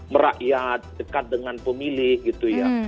merakyat dekat dengan pemilih gitu ya